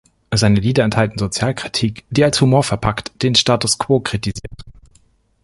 Seine Lieder enthalten Sozialkritik, die als Humor verpackt den Status quo kritisiert.